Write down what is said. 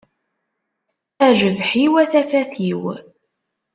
A rrbeḥ-iw, a tafat-iw!